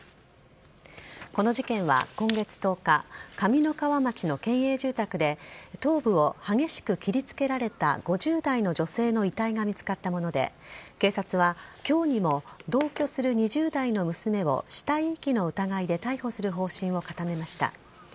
この事件は今月１０日上三川町の県営住宅で頭部を激しく切りつけられた５０代の女性の遺体が見つかったもので警察は今日にも同居する２０代の娘を死体遺棄の疑いで逮捕する方針を固めました。